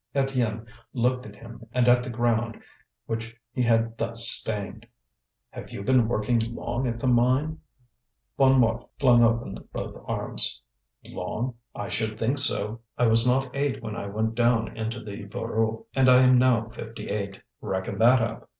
Étienne looked at him and at the ground which he had thus stained. "Have you been working long at the mine?" Bonnemort flung open both arms. "Long? I should think so. I was not eight when I went down into the Voreux and I am now fifty eight. Reckon that up!